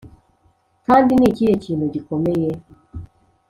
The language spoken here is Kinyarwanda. kandi ni ikihe kintu gikomeye,